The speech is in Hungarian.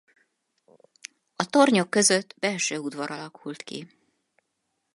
A tornyok között belső udvar alakult ki.